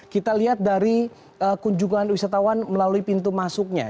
kita lihat dari kunjungan wisatawan melalui pintu masuknya